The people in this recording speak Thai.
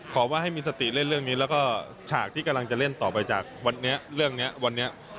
ว่าให้มีสติเล่นเรื่องนี้แล้วก็ฉากที่กำลังจะเล่นต่อไปจากวันนี้เรื่องนี้วันนี้